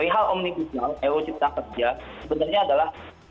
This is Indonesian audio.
rihal omnibus law cipta kerja sebenarnya adalah